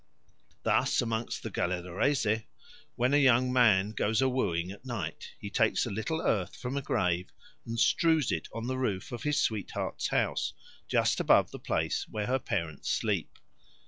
Thus among the Galelareese, when a young man goes a wooing at night, he takes a little earth from a grave and strews it on the roof of his sweetheart's house just above the place where her parents sleep.